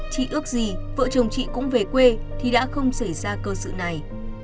chị ước gì vợ chồng chị cũng về quê thì đã không xảy ra cơ sự này